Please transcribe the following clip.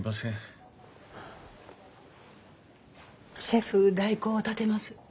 シェフ代行を立てます。